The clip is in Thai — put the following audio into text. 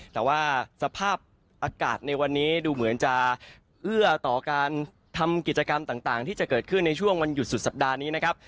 แต่ว่าสภาพอากาศในวันนี้ดูเหมือนจะเอื้อต่อการทำกิจกรรมต่างที่จะเกิดขึ้นในช่วงวันหยุดสุดสัปดาห์นี้นะครับ